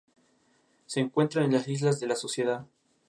Se encuentran en las Islas de la Sociedad.